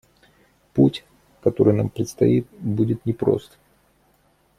Путь, который нам предстоит, будет непрост.